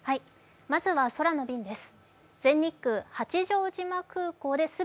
まずは空の便です。